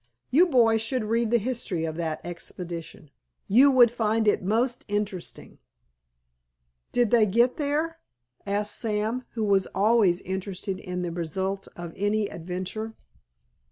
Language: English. You boys should read the history of that expedition; you would find it most interesting." "Did they get there?" asked Sam, who was always interested in the result of any adventure.